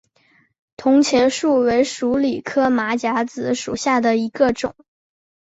铜钱树为鼠李科马甲子属下的一个种。